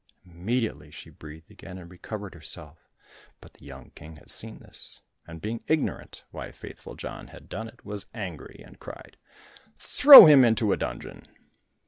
Immediately she breathed again and recovered herself, but the young King had seen this, and being ignorant why Faithful John had done it, was angry and cried, "Throw him into a dungeon."